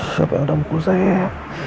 siapa yang ada mukul saya